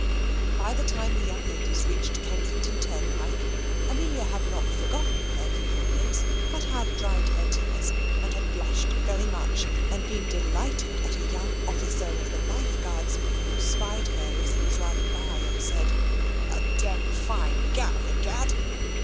By the time the young ladies reached Kensington turnpike, Amelia had not forgotten her companions, but had dried her tears, and had blushed very much and been delighted at a young officer of the Life Guards, who spied her as he was riding by, and said, "A dem fine gal, egad!"